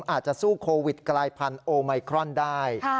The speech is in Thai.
อาจจะสู้โควิดกลายพันธุ์โอไมครอนได้